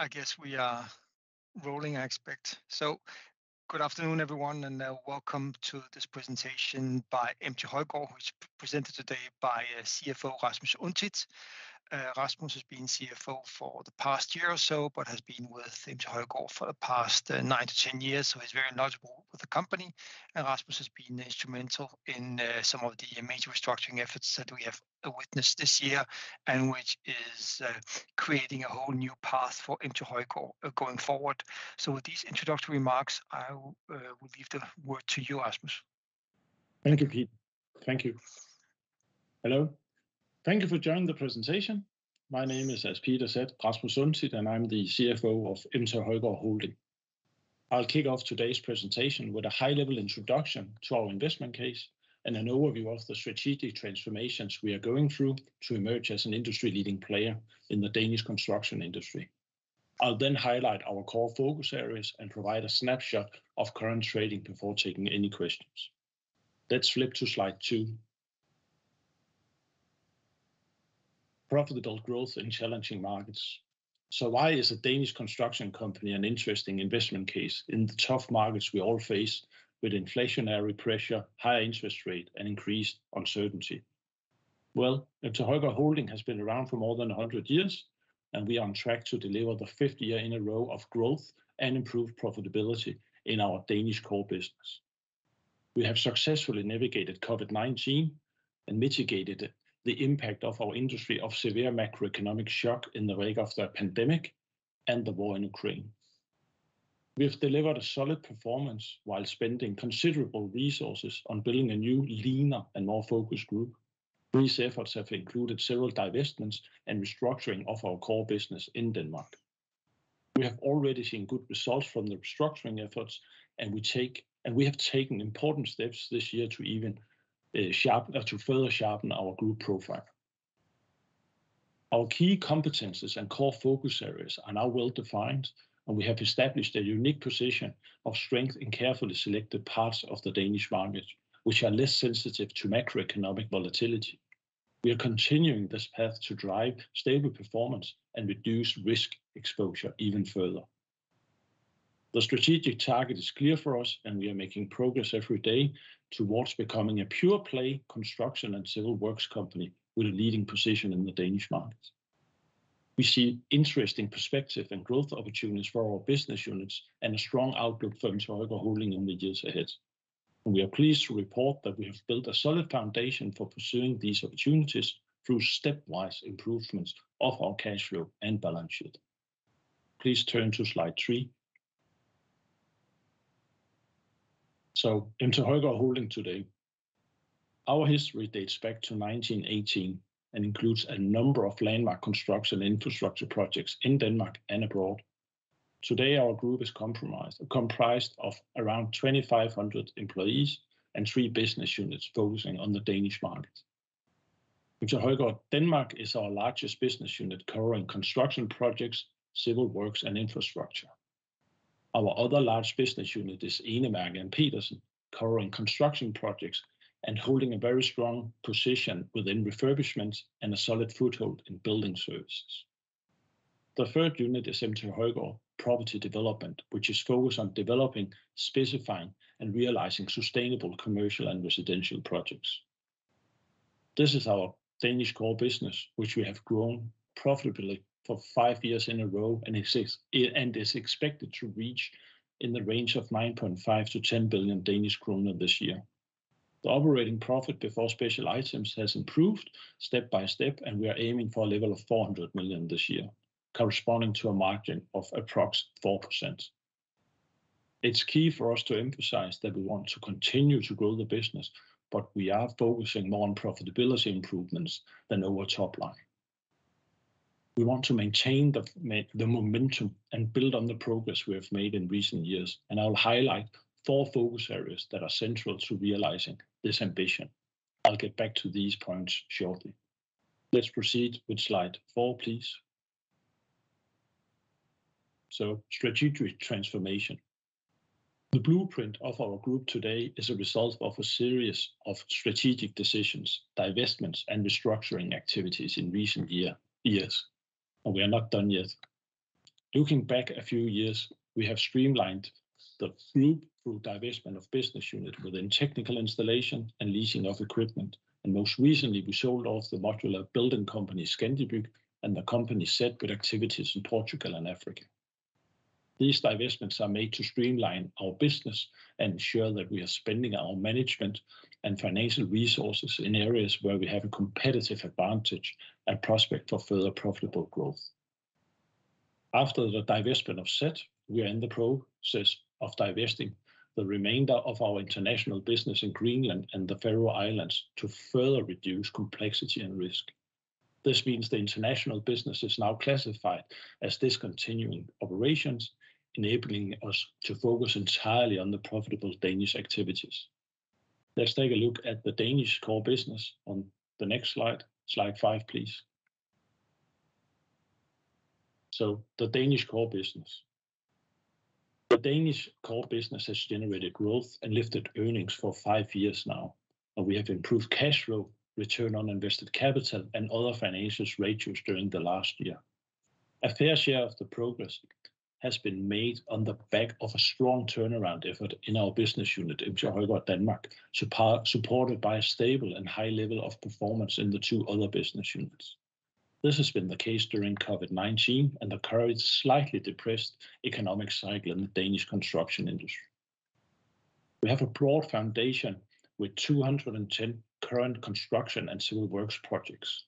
Good, I guess we are rolling, I expect. So good afternoon, everyone, and welcome to this presentation by MT Højgaard, which is presented today by CFO Rasmus Untidt. Rasmus has been CFO for the past year or so, but has been with MT Højgaard for the past nine to 10 years, so he's very knowledgeable with the company. And Rasmus has been instrumental in some of the major restructuring efforts that we have witnessed this year, and which is creating a whole new path for MT Højgaard going forward. So with these introductory remarks, I will leave the word to you, Rasmus. Thank you, Peter. Thank you. Hello. Thank you for joining the presentation. My name is, as Peter said, Rasmus Untidt, and I'm the CFO of MT Højgaard Holding. I'll kick off today's presentation with a high-level introduction to our investment case and an overview of the strategic transformations we are going through to emerge as an industry-leading player in the Danish construction industry. I'll then highlight our core focus areas and provide a snapshot of current trading before taking any questions. Let's flip to slide two. Profitable growth in challenging markets. So why is a Danish construction company an interesting investment case in the tough markets we all face, with inflationary pressure, high interest rate, and increased uncertainty? Well, MT Højgaard Holding has been around for more than 100 years, and we are on track to deliver the fifth year in a row of growth and improved profitability in our Danish core business. We have successfully navigated COVID-19 and mitigated the impact of our industry of severe macroeconomic shock in the wake of the pandemic and the war in Ukraine. We've delivered a solid performance while spending considerable resources on building a new, leaner, and more focused group. These efforts have included several divestments and restructuring of our core business in Denmark. We have already seen good results from the restructuring efforts, and we have taken important steps this year to further sharpen our group profile. Our key competencies and core focus areas are now well-defined, and we have established a unique position of strength in carefully selected parts of the Danish market, which are less sensitive to macroeconomic volatility. We are continuing this path to drive stable performance and reduce risk exposure even further. The strategic target is clear for us, and we are making progress every day towards becoming a pure-play construction and civil works company with a leading position in the Danish market. We see interesting perspective and growth opportunities for our business units and a strong outlook for MT Højgaard Holding in the years ahead, and we are pleased to report that we have built a solid foundation for pursuing these opportunities through stepwise improvements of our cash flow and balance sheet. Please turn to slide three. So MT Højgaard Holding today. Our history dates back to 1918 and includes a number of landmark construction infrastructure projects in Denmark and abroad. Today, our group is compromised, comprised of around 2,500 employees and three business units focusing on the Danish market. MT Højgaard Danmark is our largest business unit, covering construction projects, civil works, and infrastructure. Our other large business unit is Enemærke & Petersen, covering construction projects and holding a very strong position within refurbishments and a solid foothold in building services. The third unit is MT Højgaard Property Development, which is focused on developing, specifying, and realizing sustainable commercial and residential projects. This is our Danish core business, which we have grown profitably for five years in a row, and is expected to reach in the range of 9.5 billion-10 billion Danish kroner this year. The operating profit before special items has improved step by step, and we are aiming for a level of 400 million this year, corresponding to a margin of approx 4%. It's key for us to emphasize that we want to continue to grow the business, but we are focusing more on profitability improvements than over top line. We want to maintain the momentum and build on the progress we have made in recent years, and I'll highlight four focus areas that are central to realizing this ambition. I'll get back to these points shortly. Let's proceed with slide four, please. So strategic transformation. The blueprint of our group today is a result of a series of strategic decisions, divestments, and restructuring activities in recent years, and we are not done yet. Looking back a few years, we have streamlined the group through divestment of business unit within technical installation and leasing of equipment, and most recently, we sold off the modular building company, Scandi Byg, and the company Seth with activities in Portugal and Africa. These divestments are made to streamline our business and ensure that we are spending our management and financial resources in areas where we have a competitive advantage and prospect of further profitable growth. After the divestment of Seth, we are in the process of divesting the remainder of our international business in Greenland and the Faroe Islands to further reduce complexity and risk. This means the international business is now classified as discontinued operations, enabling us to focus entirely on the profitable Danish activities. Let's take a look at the Danish core business on the next slide. Slide five, please. So the Danish core business.... The Danish core business has generated growth and lifted earnings for five years now, and we have improved cash flow, return on invested capital, and other financial ratios during the last year. A fair share of the progress has been made on the back of a strong turnaround effort in our business unit, MT Højgaard Danmark, supported by a stable and high level of performance in the two other business units. This has been the case during COVID-19 and the current slightly depressed economic cycle in the Danish construction industry. We have a broad foundation with 210 current construction and civil works projects.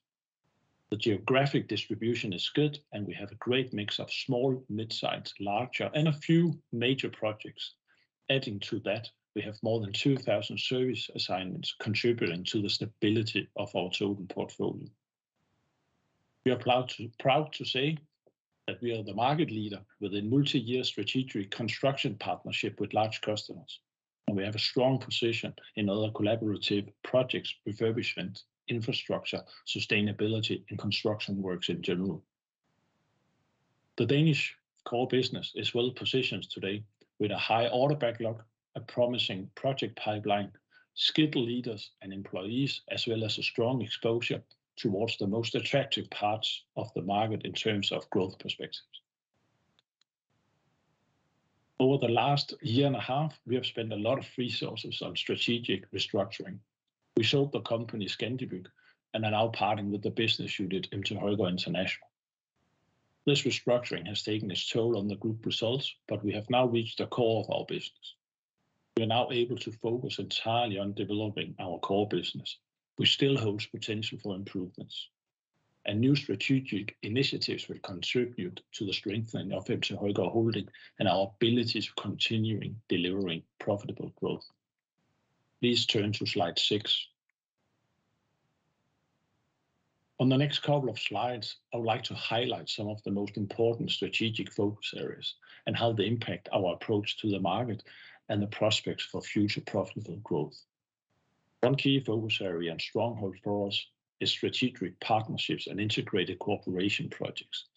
The geographic distribution is good, and we have a great mix of small, mid-sized, larger, and a few major projects. Adding to that, we have more than 2,000 service assignments contributing to the stability of our total portfolio. We are proud to say that we are the market leader with a multi-year strategic construction partnership with large customers, and we have a strong position in other collaborative projects, refurbishment, infrastructure, sustainability, and construction works in general. The Danish core business is well-positioned today with a high order backlog, a promising project pipeline, skilled leaders and employees, as well as a strong exposure towards the most attractive parts of the market in terms of growth perspectives. Over the last year and a half, we have spent a lot of resources on strategic restructuring. We sold the company Scandi Byg and are now parting with the business unit, MT Højgaard International. This restructuring has taken its toll on the group results, but we have now reached the core of our business. We are now able to focus entirely on developing our core business, which still holds potential for improvements, and new strategic initiatives will contribute to the strengthening of MT Højgaard Holding and our abilities of continuing delivering profitable growth. Please turn to slide six. On the next couple of slides, I would like to highlight some of the most important strategic focus areas and how they impact our approach to the market and the prospects for future profitable growth. One key focus area and stronghold for us is strategic partnerships and integrated cooperation projects.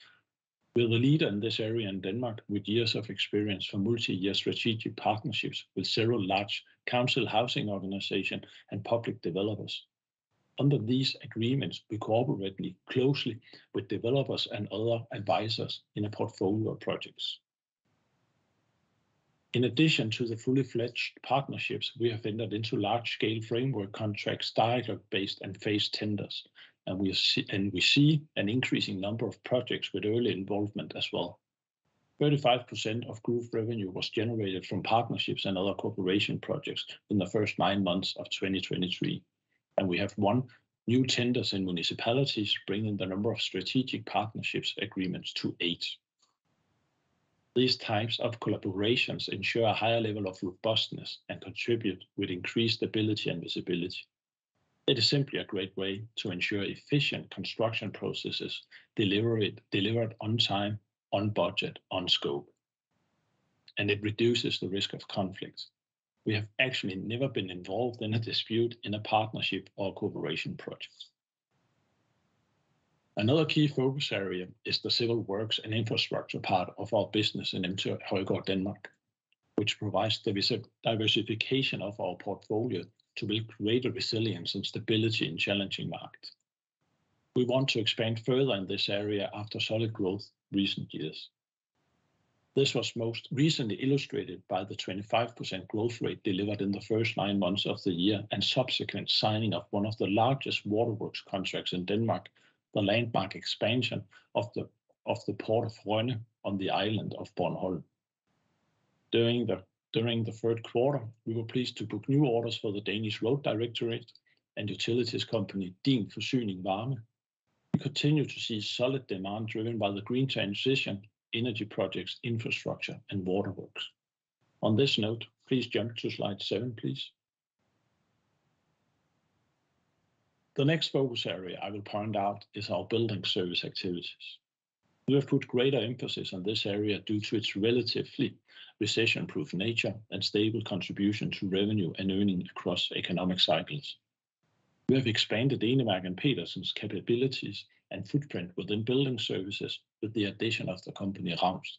We're the leader in this area in Denmark, with years of experience for multi-year strategic partnerships with several large council housing organization and public developers. Under these agreements, we cooperate closely with developers and other advisors in a portfolio of projects. In addition to the fully fledged partnerships, we have entered into large-scale framework contracts, dialogue-based and phased tenders, and we see, and we see an increasing number of projects with early involvement as well. 35% of group revenue was generated from partnerships and other cooperation projects in the first nine months of 2023, and we have won new tenders in municipalities, bringing the number of strategic partnerships agreements to eight. These types of collaborations ensure a higher level of robustness and contribute with increased stability and visibility. It is simply a great way to ensure efficient construction processes delivered on time, on budget, on scope, and it reduces the risk of conflicts. We have actually never been involved in a dispute in a partnership or cooperation project. Another key focus area is the civil works and infrastructure part of our business in MT Højgaard Danmark, which provides diversification of our portfolio to build greater resilience and stability in challenging markets. We want to expand further in this area after solid growth in recent years. This was most recently illustrated by the 25% growth rate delivered in the first nine months of the year, and subsequent signing of one of the largest waterworks contracts in Denmark, the landmark expansion of the Port of Rønne on the island of Bornholm. During the third quarter, we were pleased to book new orders for the Danish Road Directorate and utilities company, DIN Forsyning Varme. We continue to see solid demand driven by the green transition, energy projects, infrastructure, and waterworks. On this note, please jump to slide seven, please. The next focus area I will point out is our building service activities. We have put greater emphasis on this area due to its relatively recession-proof nature and stable contribution to revenue and earnings across economic cycles. We have expanded Enemærke & Petersen's capabilities and footprint within building services with the addition of the company Raunstrup,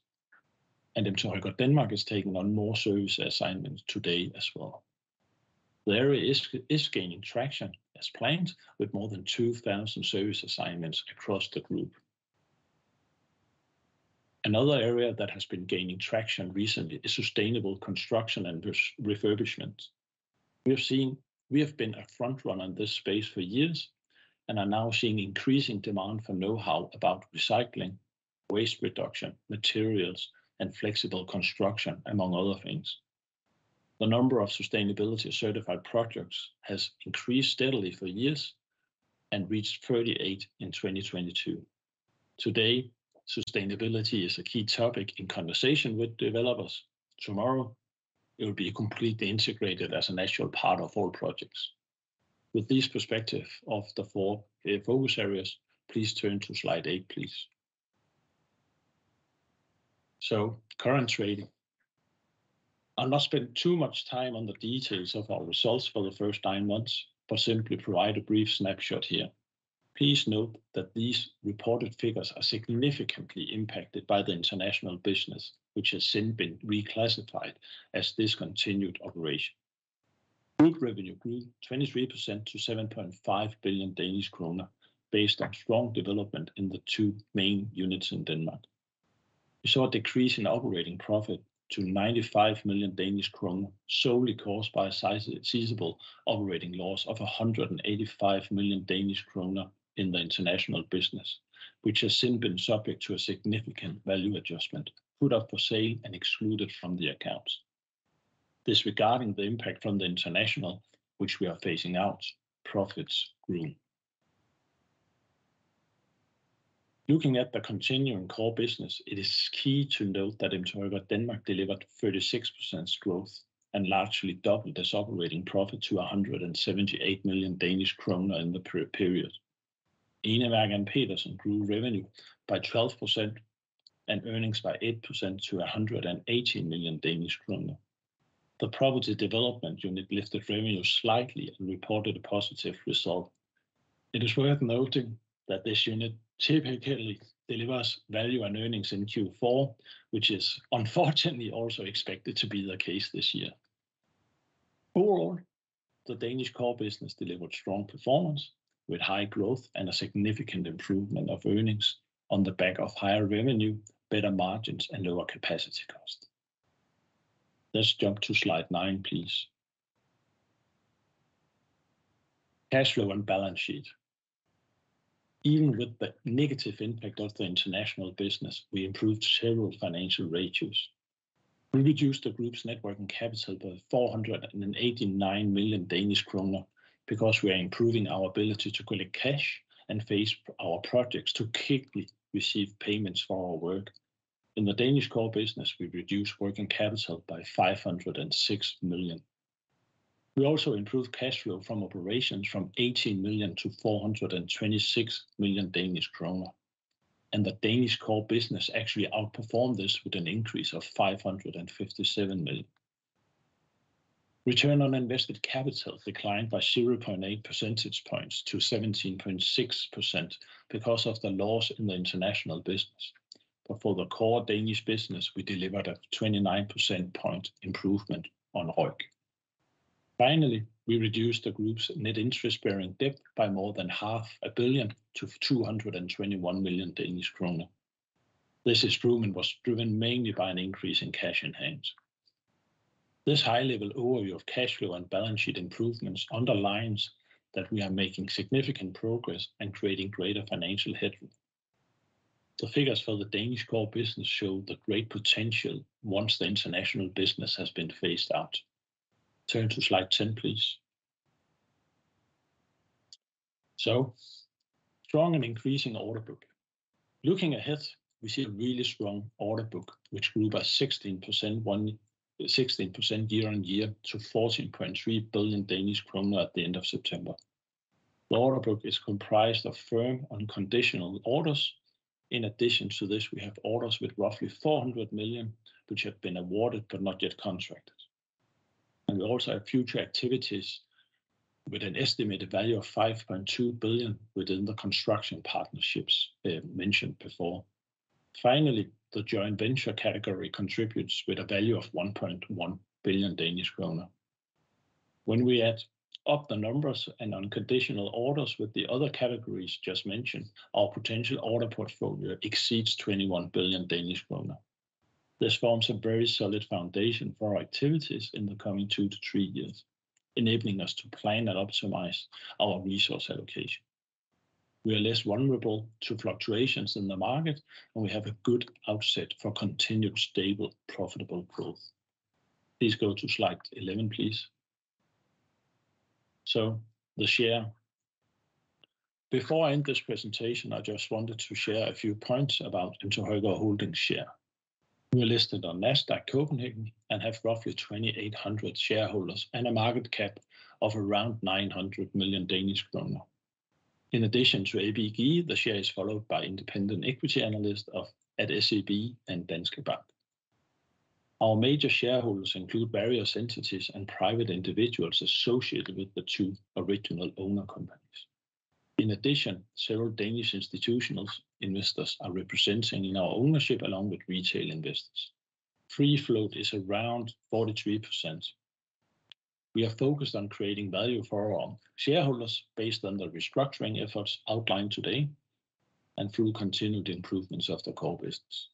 and MT Højgaard Danmark is taking on more service assignments today as well. The area is gaining traction as planned, with more than 2,000 service assignments across the group. Another area that has been gaining traction recently is sustainable construction and refurbishment. We have seen... We have been a front runner in this space for years and are now seeing increasing demand for know-how about recycling, waste reduction, materials, and flexible construction, among other things. The number of sustainability-certified projects has increased steadily for years and reached 38 in 2022. Today, sustainability is a key topic in conversation with developers. Tomorrow, it will be completely integrated as a natural part of all projects. With this perspective of the four key focus areas, please turn to slide eight, please. So current trading... I'll not spend too much time on the details of our results for the first 9 months, but simply provide a brief snapshot here. Please note that these reported figures are significantly impacted by the international business, which has since been reclassified as discontinued operation. Group revenue grew 23% to 7.5 billion Danish kroner, based on strong development in the two main units in Denmark. We saw a decrease in operating profit to 95 million Danish krone, solely caused by a sizable operating loss of 185 million Danish kroner in the international business, which has since been subject to a significant value adjustment, put up for sale and excluded from the accounts. Disregarding the impact from the international, which we are phasing out, profits grew. Looking at the continuing core business, it is key to note that MTH Danmark delivered 36% growth and largely doubled its operating profit to 178 million Danish kroner in the period. Enemærke & Petersen grew revenue by 12% and earnings by 8% to 180 million Danish kroner. The property development unit lifted revenue slightly and reported a positive result. It is worth noting that this unit typically delivers value and earnings in Q4, which is unfortunately also expected to be the case this year. Overall, the Danish core business delivered strong performance, with high growth and a significant improvement of earnings on the back of higher revenue, better margins and lower capacity cost. Let's jump to slide nine, please. Cash flow and balance sheet. Even with the negative impact of the international business, we improved several financial ratios. We reduced the group's net working capital by 489 million Danish kroner because we are improving our ability to collect cash and phase our projects to quickly receive payments for our work. In the Danish core business, we reduced working capital by 506 million. We also improved cash flow from operations from 18 million-426 million Danish krone, and the Danish core business actually outperformed this with an increase of 557 million. Return on invested capital declined by 0.8 percentage points to 17.6% because of the loss in the international business. But for the core Danish business, we delivered a 29 percentage point improvement on ROIC. Finally, we reduced the group's net interest-bearing debt by more than 500 million-221 million Danish krone. This improvement was driven mainly by an increase in cash in hand. This high-level overview of cash flow and balance sheet improvements underlines that we are making significant progress and creating greater financial headroom. The figures for the Danish core business show the great potential once the international business has been phased out. Turn to slide 10, please. So, strong and increasing order book. Looking ahead, we see a really strong order book, which grew by 16%-16% year-on-year to 14.3 billion Danish kroner at the end of September. The order book is comprised of firm unconditional orders. In addition to this, we have orders with roughly 400 million, which have been awarded but not yet contracted, and we also have future activities with an estimated value of 5.2 billion within the construction partnerships mentioned before. Finally, the joint venture category contributes with a value of 1.1 billion Danish kroner. When we add up the numbers and unconditional orders with the other categories just mentioned, our potential order portfolio exceeds 21 billion Danish kroner. This forms a very solid foundation for our activities in the coming two to three years, enabling us to plan and optimize our resource allocation. We are less vulnerable to fluctuations in the market, and we have a good outset for continued stable, profitable growth. Please go to slide 11, please. So the share. Before I end this presentation, I just wanted to share a few points about MT Højgaard Holding share. We are listed on Nasdaq Copenhagen and have roughly 2,800 shareholders and a market cap of around 900 million Danish kroner. In addition to ABG, the share is followed by independent equity analyst at SEB and Danske Bank. Our major shareholders include various entities and private individuals associated with the two original owner companies. In addition, several Danish institutional investors are represented in our ownership, along with retail investors. Free float is around 43%. We are focused on creating value for our shareholders based on the restructuring efforts outlined today and through continued improvements of the core business.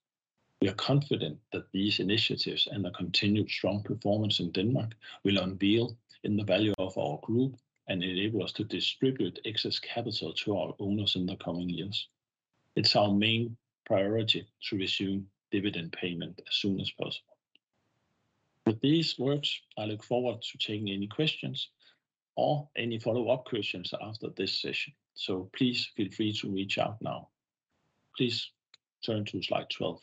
We are confident that these initiatives and a continued strong performance in Denmark will unveil in the value of our group and enable us to distribute excess capital to our owners in the coming years. It's our main priority to resume dividend payment as soon as possible. With these words, I look forward to taking any questions or any follow-up questions after this session, so please feel free to reach out now. Please turn to slide 12.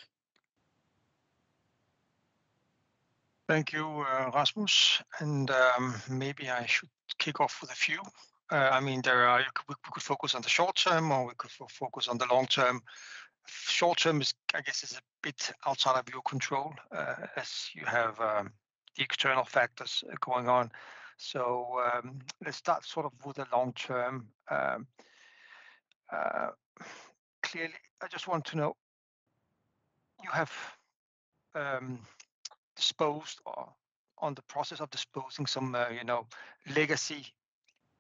Thank you, Rasmus, and maybe I should kick off with a few. I mean, there are... We could focus on the short term, or we could focus on the long term. ... short term is, I guess, is a bit outside of your control, as you have, the external factors going on. So, let's start sort of with the long term. Clearly, I just want to know, you have, disposed or on the process of disposing some, you know, legacy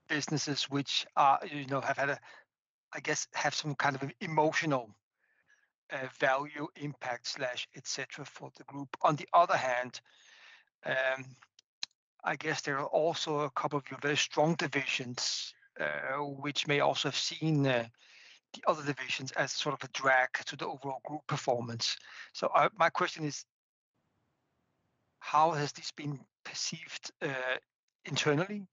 businesses, which are, you know, have had - I guess, have some kind of emotional, value impact/etc., for the group. On the other hand, I guess there are also a couple of your very strong divisions, which may also have seen, the other divisions as sort of a drag to the overall group performance. So my question is: How has this been perceived, internally,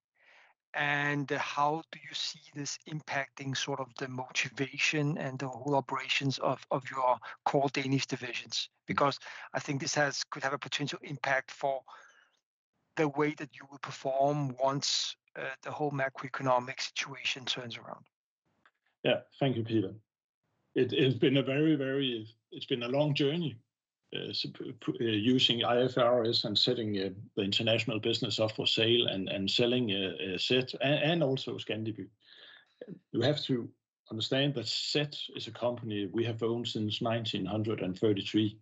and how do you see this impacting sort of the motivation and the whole operations of your core Danish divisions? Because I think this could have a potential impact for the way that you will perform once the whole macroeconomic situation turns around. Yeah. Thank you, Peter. It has been a very, very... It's been a long journey using IFRS and setting the international business up for sale and selling Seth and also Scandi Byg. You have to understand that Seth is a company we have owned since 1933,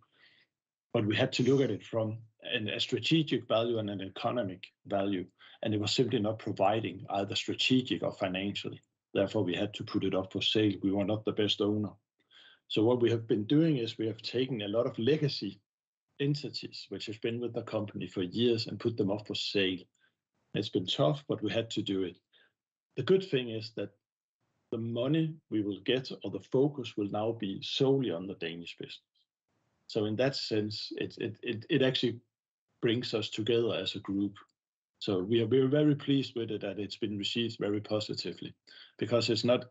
but we had to look at it from a strategic value and an economic value, and it was simply not providing either strategic or financially. Therefore, we had to put it up for sale. We were not the best owner. So what we have been doing is we have taken a lot of legacy entities, which have been with the company for years, and put them up for sale. It's been tough, but we had to do it. The good thing is that the money we will get or the focus will now be solely on the Danish business. So in that sense, it actually brings us together as a group. So we are very pleased with it, that it's been received very positively, because it's not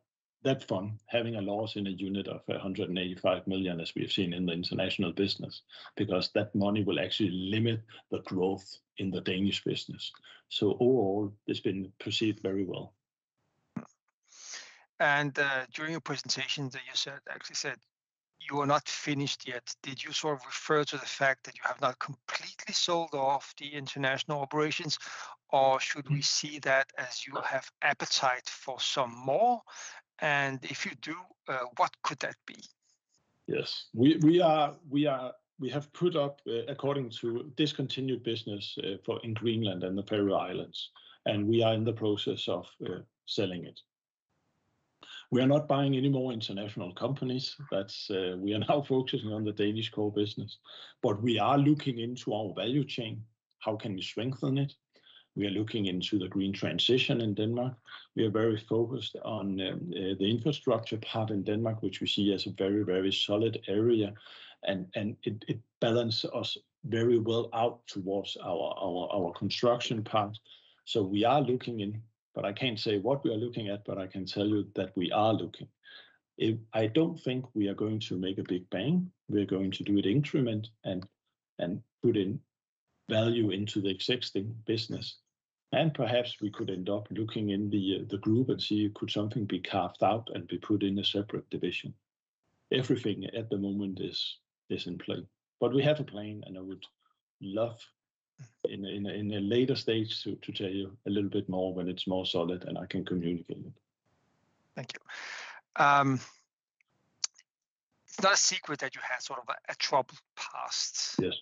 that fun having a loss in a unit of 185 million, as we have seen in the international business, because that money will actually limit the growth in the Danish business. So overall, it's been perceived very well. During your presentation that you said, actually said, you are not finished yet. Did you sort of refer to the fact that you have not completely sold off the international operations, or should- Mm... we see that as you have appetite for some more? And if you do, what could that be? Yes. We are. We have put up, according to discontinued operations, for in Greenland and the Faroe Islands, and we are in the process of selling it. We are not buying any more international companies. That's. We are now focusing on the Danish core business, but we are looking into our value chain. How can we strengthen it? We are looking into the green transition in Denmark. We are very focused on the infrastructure part in Denmark, which we see as a very, very solid area, and it balances us very well out towards our construction part. So we are looking in, but I can't say what we are looking at, but I can tell you that we are looking. I don't think we are going to make a big bang. We are going to do it increment and put in value into the existing business. And perhaps we could end up looking in the group and see could something be carved out and be put in a separate division. Everything at the moment is in play, but we have a plan, and I would love in a later stage to tell you a little bit more when it's more solid and I can communicate it. Thank you. It's not a secret that you had sort of a troubled past. Yes.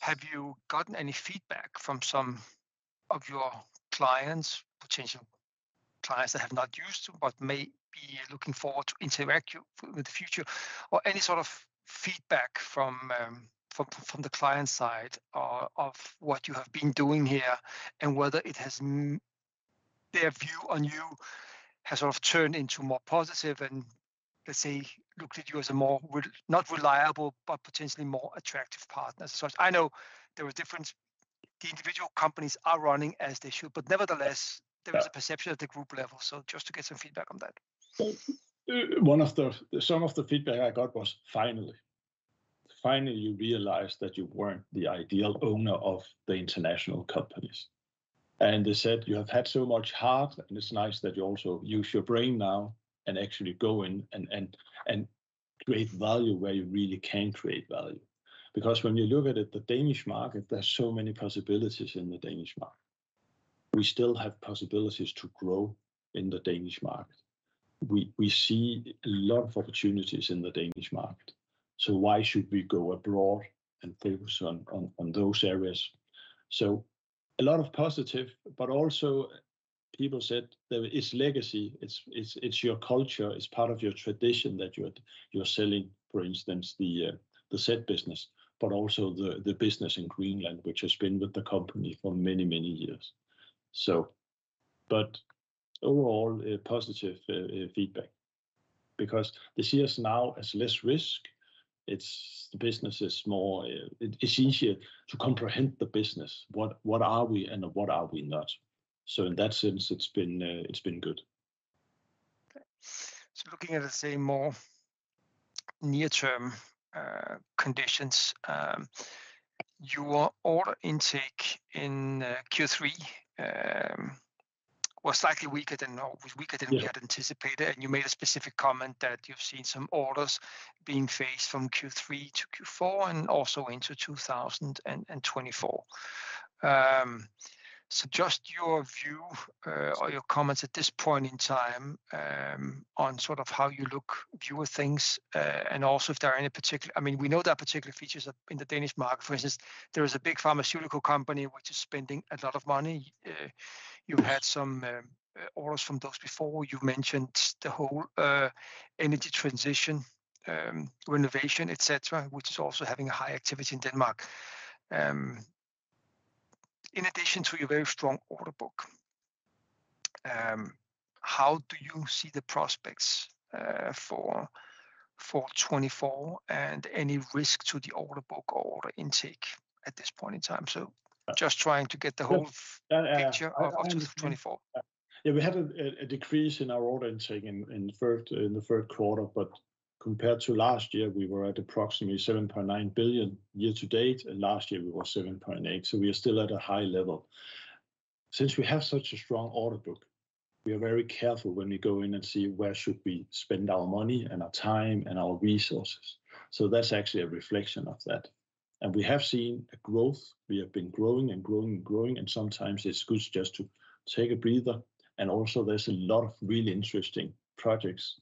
Have you gotten any feedback from some of your clients, potential clients, that have not used you, but may be looking forward to interact you with the future, or any sort of feedback from the client side of what you have been doing here, and whether it has their view on you has sort of turned into more positive and, let's say, looked at you as a more not reliable, but potentially more attractive partner? So I know there were different—the individual companies are running as they should, but nevertheless- Yeah... there is a perception at the group level. Just to get some feedback on that. One of the, some of the feedback I got was, "Finally! Finally, you realized that you weren't the ideal owner of the international companies." And they said, "You have had so much heart, and it's nice that you also use your brain now and actually go in and, and, and create value where you really can create value." Because when you look at it, the Danish market, there are so many possibilities in the Danish market. We still have possibilities to grow in the Danish market. We, we see a lot of opportunities in the Danish market, so why should we go abroad and focus on, on, on those areas? So a lot of positive, but also people said that it's legacy, it's your culture, it's part of your tradition that you're selling, for instance, the Seth business, but also the business in Greenland, which has been with the company for many, many years. So, but overall, a positive feedback, because they see us now as less risk. The business is more, it's easier to comprehend the business. What are we and what are we not? So in that sense, it's been good. So looking at the, say, more near-term conditions, your order intake in Q3 was slightly weaker than or weaker than- Yeah -we had anticipated, and you made a specific comment that you've seen some orders being phased from Q3 to Q4, and also into 2024. So just your view or your comments at this point in time on sort of how you look, view things, and also if there are any particular... I mean, we know there are particular features in the Danish market. For instance, there is a big pharmaceutical company which is spending a lot of money. You've had some orders from those before. You've mentioned the whole energy transition, renovation, et cetera, which is also having a high activity in Denmark. In addition to your very strong order book, how do you see the prospects for 2024, and any risk to the order book or order intake at this point in time? Just trying to get the whole- Uh, uh- Picture of 2024. Yeah, we had a decrease in our order intake in the third quarter, but compared to last year, we were at approximately 7.9 billion year to date, and last year we were 7.8 billion, so we are still at a high level. Since we have such a strong order book, we are very careful when we go in and see where we should spend our money and our time and our resources. So that's actually a reflection of that. And we have seen a growth. We have been growing and growing and growing, and sometimes it's good just to take a breather, and also there's a lot of really interesting projects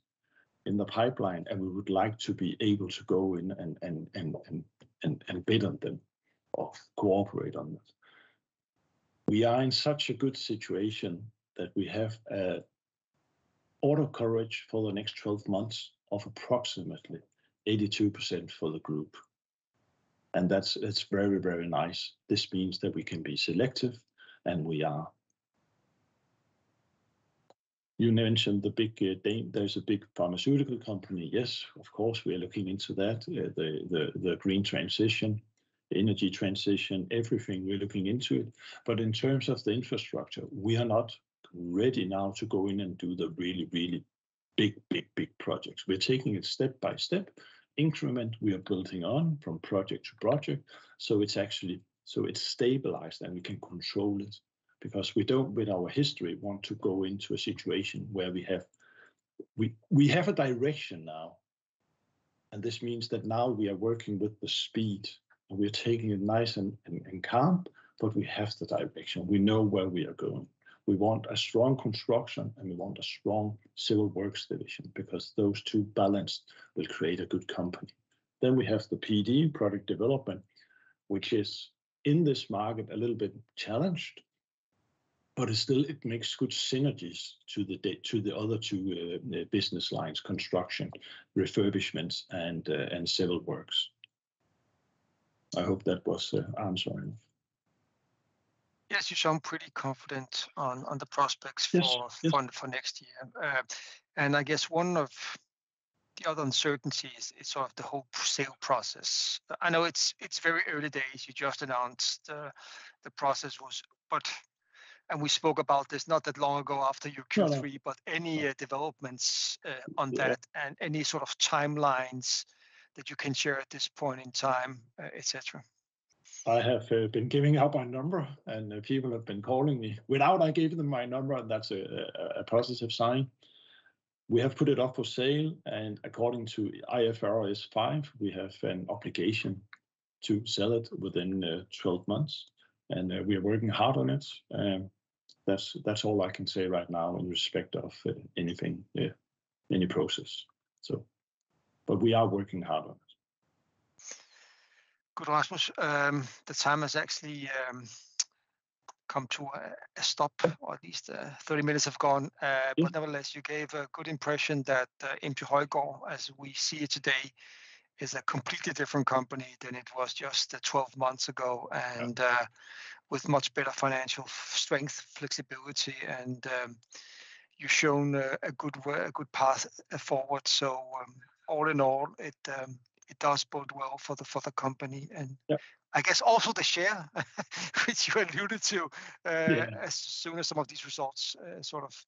in the pipeline, and we would like to be able to go in and bid on them or cooperate on that. We are in such a good situation that we have a order coverage for the next 12 months of approximately 82% for the group, and that's... It's very, very nice. This means that we can be selective, and we are. You mentioned the big D- there's a big pharmaceutical company. Yes, of course, we are looking into that, the green transition, the energy transition, everything, we're looking into it. But in terms of the infrastructure, we are not ready now to go in and do the really, really big, big, big projects. We're taking it step by step, increment we are building on from project to project, so it's actually- so it's stabilized, and we can control it, because we don't, with our history, want to go into a situation where we have... We have a direction now, and this means that now we are working with the speed, and we are taking it nice and calm, but we have the direction. We know where we are going. We want a strong construction, and we want a strong civil works division, because those two balanced will create a good company. Then we have the PD, product development, which is, in this market, a little bit challenged, but it still, it makes good synergies to the other two business lines: construction, refurbishments, and civil works. I hope that was the answer. Yes, you sound pretty confident on the prospects for- Yes... on for next year. And I guess one of the other uncertainties is sort of the whole sale process. I know it's, it's very early days. You just announced the process was, but... And we spoke about this not that long ago, after your Q3- Yeah... but any developments on that and any sort of timelines that you can share at this point in time, et cetera? I have been giving out my number, and people have been calling me. Without I gave them my number, and that's a positive sign. We have put it up for sale, and according to IFRS 5, we have an obligation to sell it within 12 months, and we are working hard on it. That's all I can say right now in respect of anything, yeah, any process, so... But we are working hard on it. Good, Rasmus. The time has actually come to a stop, or at least, 30 minutes have gone. Mm. But nevertheless, you gave a good impression that MT Højgaard, as we see it today, is a completely different company than it was just 12 months ago- Yeah... and with much better financial strength, flexibility, and you've shown a good path forward. So, all in all, it does bode well for the company and- Yeah... I guess also the share, which you alluded to- Yeah As soon as some of these results, sort of-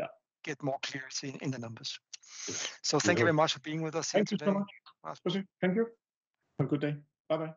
Yeah Get more clarity in the numbers. Yeah. Thank you very much for being with us. Thank you so much. Thank you, Rasmus. Thank you, and good day. Bye-bye.